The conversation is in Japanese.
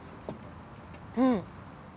うん。